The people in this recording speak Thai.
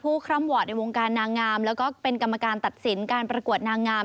คร่ำวอร์ดในวงการนางงามแล้วก็เป็นกรรมการตัดสินการประกวดนางงาม